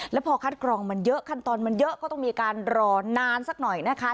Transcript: แล้วพอคัดกรองมันเยอะขั้นตอนมันเยอะก็ต้องมีการรอนานสักหน่อยนะคะ